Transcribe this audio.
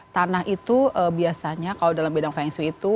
tanah itu biasanya kalau dalam bidang feng shui itu